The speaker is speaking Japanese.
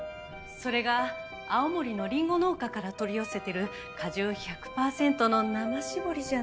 それが青森のリンゴ農家から取り寄せてる果汁１００パーセントの生搾りじゃないと。